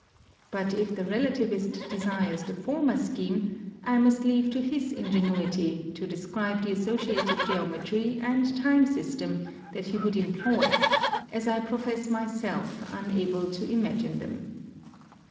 But if the Relativist desires the former scheme, I must leave to his ingenuity to describe the associated geometry and time system that he would employ, as I profess myself unable to imagine them.